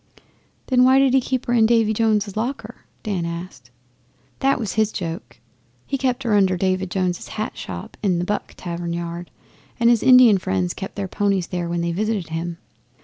'Then why did he keep her in Davy Jones's locker?' Dan asked. 'That was his joke. He kept her under David Jones's hat shop in the "Buck" tavern yard, and his Indian friends kept their ponies there when they visited him.